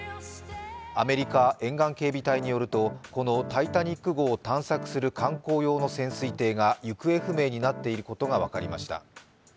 アメリカ沿岸警備隊によると、この「タイタニック」号を探索する観光用の潜水艇が行方不明になっていることが分かりました。